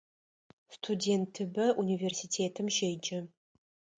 Студентыбэ унивэрситэтым щеджэ.